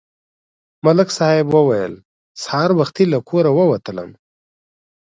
ملک صاحب وویل: سهار وختي له کوره ووتلم